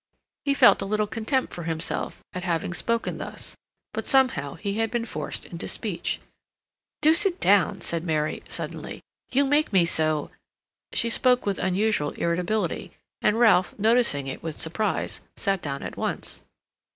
He felt a little contempt for himself at having spoken thus; but somehow he had been forced into speech. "Do sit down," said Mary suddenly. "You make me so—" She spoke with unusual irritability, and Ralph, noticing it with surprise, sat down at once.